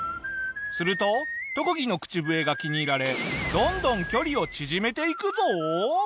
すると特技の口笛が気に入られどんどん距離を縮めていくぞ！